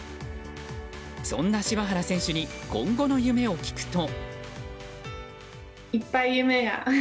そんな柴原選手に今後の夢を聞くと。